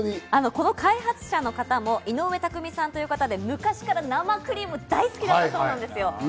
開発者の方の井上拓海さんという方で、昔から生クリームが大好きだったそうです。